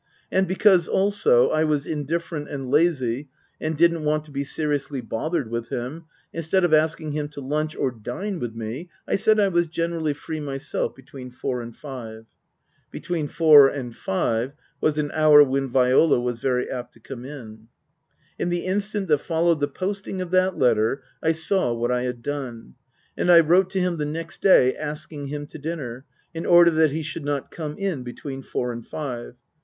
And because, also, I was indifferent and lazy and didn't want to be seriously bothered with him, instead of asking him to lunch or dine with me, I said I was generally free myself between four and five. Between four and five was an hour when Viola was very apt to come in. / In the instant that followed the posting of that letter 1 saw what I had done. And I wrote to him the next day asking him to dinner, in order that he should not come in between four and five.